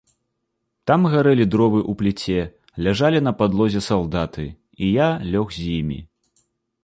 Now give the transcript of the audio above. Там гарэлі дровы ў пліце, ляжалі на падлозе салдаты, і я лёг з імі.